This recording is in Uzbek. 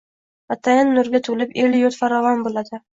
Vatan nurga to’lib, elu yurt faravon bo’ladi.